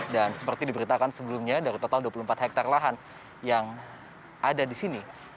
dan seperti diberitakan sebelumnya dari total dua puluh empat hektare lahan yang ada di sini